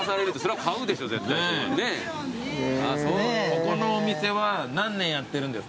ここのお店は何年やってるんですか？